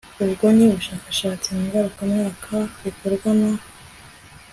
ubwo ni ubushakashatsi ngarukamwaka bukorwa na rgb